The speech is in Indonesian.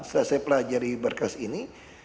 selesai pelajari berkas ini